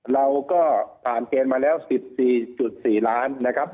เราก็ผ่านเกณฑ์มาแล้ว๑๔๔ล้านนะครับ